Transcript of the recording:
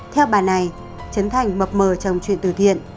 theo bà này trấn thành mập mờ trong chuyện từ thiện